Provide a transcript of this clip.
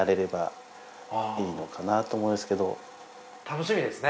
楽しみですね